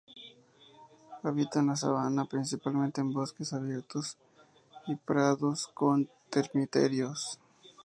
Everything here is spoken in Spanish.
Habita en la sabana, principalmente en bosques abiertos y prados con termiteros.